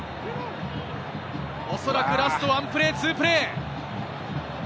おそらくラストワンプレー、ツープレー。